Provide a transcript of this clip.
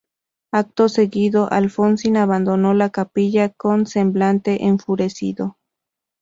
Acto seguido, Alfonsín abandonó la capilla con semblante enfurecido.